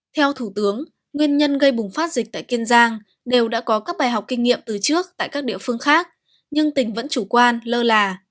theo thủ tướng nguyên nhân gây bùng phát dịch tại kiên giang đều đã có các bài học kinh nghiệm từ trước tại các địa phương khác nhưng tỉnh vẫn chủ quan lơ là